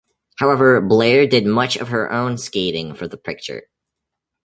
However, Blair did much of her own skating for the picture.